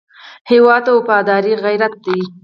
هېواد ته وفاداري غیرت دی